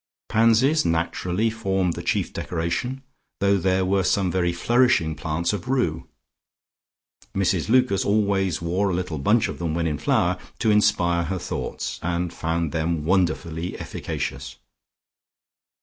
Pansies, naturally, formed the chief decoration though there were some very flourishing plants of rue. Mrs Lucas always wore a little bunch of them when in flower, to inspire her thoughts, and found them wonderfully efficacious.